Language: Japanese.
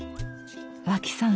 和氣さん